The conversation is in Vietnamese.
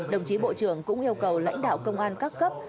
đồng chí bộ trưởng cũng yêu cầu lãnh đạo công an các cấp